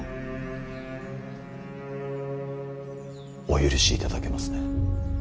お許しいただけますね